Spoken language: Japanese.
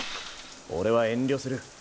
俺は遠慮する。